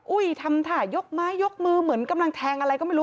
ทำท่ายกไม้ยกมือเหมือนกำลังแทงอะไรก็ไม่รู้